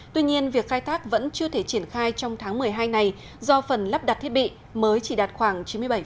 tuy nhiên việc khai thác vẫn chưa thể triển khai trong tháng một mươi hai này do phần lắp đặt thiết bị mới chỉ đạt khoảng chín mươi bảy